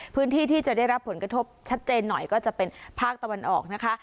พื้นที่ที่จะได้รับผลกระทบชัดเจนหน่อยก็จะเป็นภาคตะวันออกนะคะ